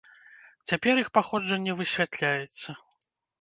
Цяпер іх паходжанне высвятляецца.